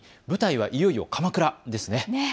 舞台はいよいよ鎌倉ですね。